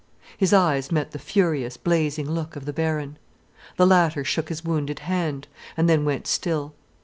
His eyes met the furious, blazing look of the Baron. The latter shook his wounded hand, and then went still.